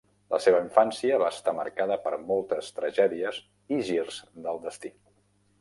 La seva infància va estar marcada per moltes tragèdies i girs del destí.